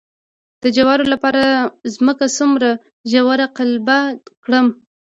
د جوارو لپاره ځمکه څومره ژوره قلبه کړم؟